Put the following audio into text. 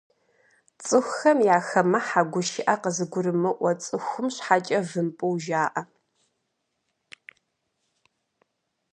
Цӏыхухэм яхэмыхьэ, гушыӏэ къызыгурымыӏуэ цӏыхум щхьэкӏэ вымпӏу жаӏэ.